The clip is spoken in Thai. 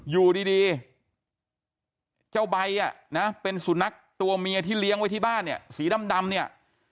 อยู่ดีเจ้าใบอ่ะนะเป็นสุนัขตัวเมียที่เลี้ยงไว้ที่บ้านเนี่ยสีดำเนี่ย